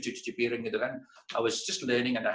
bagaimana mereka menghasilkan pembakaran bisnis klien dan sebagainya